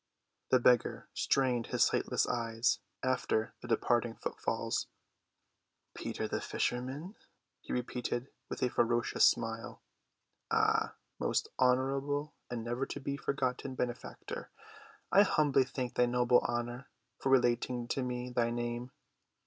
The beggar strained his sightless eyes after the departing footfalls. "Peter, the fisherman," he repeated with a ferocious smile. "Ah, most honorable and never‐to‐be‐forgotten benefactor, I humbly thank thy noble honor for relating to me thy name.